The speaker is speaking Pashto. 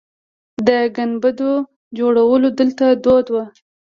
د ګنبدو جوړول دلته دود و